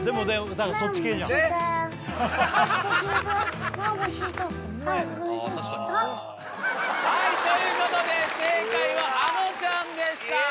歌がそっち系じゃんはいということで正解はあのちゃんでした